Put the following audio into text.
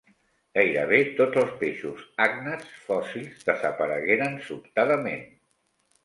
Gairebé tots els peixos àgnats fòssils desaparegueren sobtadament.